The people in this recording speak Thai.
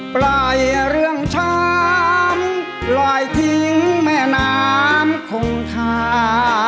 ปล่อยเรื่องช้ำลอยทิ้งแม่น้ำคงคา